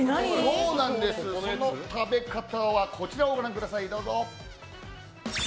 その食べ方はこちらをご覧ください。